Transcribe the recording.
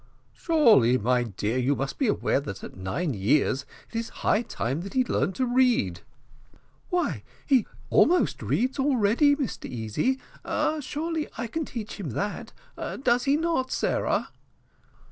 "Surely, my dear, you must be aware that at nine years it is high time that he learned to read." "Why he almost reads already, Mr Easy; surely I can teach him that. Does he not, Sarah?"